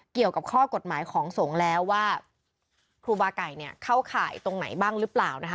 เกี่ยวกับข้อกฎหมายของสงฆ์แล้วว่าครูบาไก่เนี่ยเข้าข่ายตรงไหนบ้างหรือเปล่านะคะ